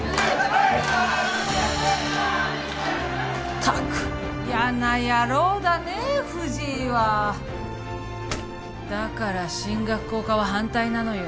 ったく嫌な野郎だね藤井はだから進学校化は反対なのよ